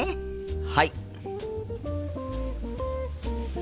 はい。